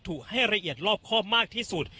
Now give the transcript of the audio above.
ให้ละเอียดรอบครอบมากที่สุด